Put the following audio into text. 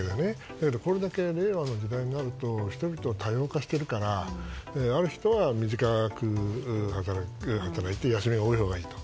だけどこれが令和の時代になると人々は多様化しているからある人は短く働いて休みが多いほうがいいと。